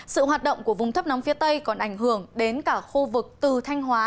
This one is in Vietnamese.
sự hoạt động của vùng thấp nóng phía tây còn ảnh hưởng đến cả khu vực từ thanh hóa